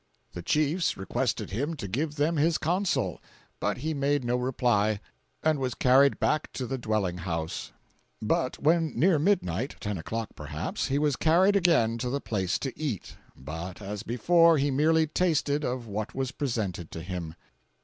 The chiefs requested him to give them his counsel; but he made no reply, and was carried back to the dwelling house; but when near midnight—ten o'clock, perhaps—he was carried again to the place to eat; but, as before, he merely tasted of what was presented to him.